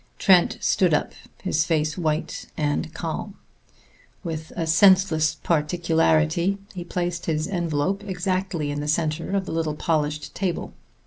Trent stood up, his face white and calm. With a senseless particularity he placed his envelop exactly in the center of the little polished table.